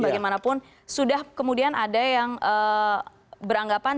bagaimanapun sudah kemudian ada yang beranggapan